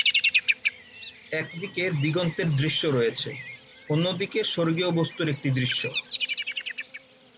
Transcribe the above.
একদিকে দিগন্তের দৃশ্য রয়েছে; অন্যদিকে, স্বর্গীয় বস্তুর একটি দৃশ্য।